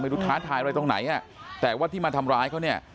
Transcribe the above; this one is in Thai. ท้าทายอะไรตรงไหนอ่ะแต่ว่าที่มาทำร้ายเขาเนี่ย